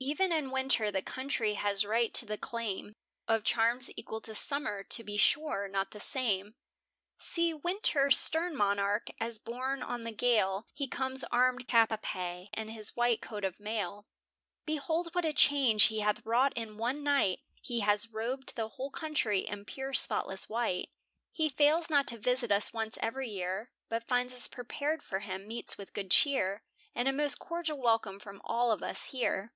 E'en in winter the country has right to the claim Of charms equal to summer; to be sure, not the same. See winter, stern monarch, as borne on the gale, He comes armed cap a pie in his white coat of mail; Behold what a change he hath wrought in one night, He has robed the whole country in pure spotless white. He fails not to visit us once every year, But finds us prepared for him meets with good cheer, And a most cordial welcome from all of us here.